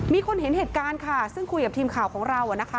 มีคนเห็นเหตุการณ์ค่ะซึ่งคุยกับทีมข่าวของเรานะคะ